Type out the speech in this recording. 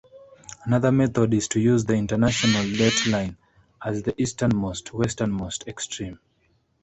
Another method is to use the International Date Line as the easternmost-westernmost extreme.